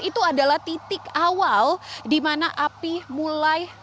itu adalah titik awal di mana api mulai